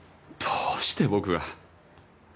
どうして僕が。